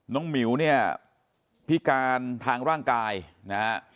หมิวเนี่ยพิการทางร่างกายนะฮะ